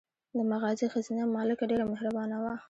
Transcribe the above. د مغازې ښځینه مالکه ډېره مهربانه وه.